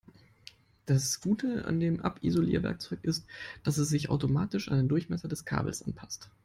Das Gute an dem Abisolierwerkzeug ist, dass es sich automatisch an den Durchmesser des Kabels anpasst.